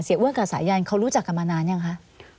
อ้วนกับสายันเขารู้จักกันมานานยังคะ